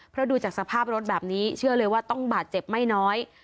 เพราะดูจากสภาพรถแบบนี้เชื่อเลยว่าต้องบาดเจ็บไม่น้อย